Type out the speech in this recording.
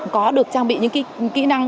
có được trang bị những cái kỹ năng